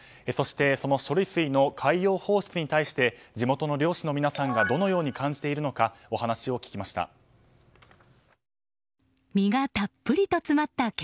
そして、その処理水の海洋放出に対して地元の漁師の皆さんがどのように感じているのかお話を聞きました。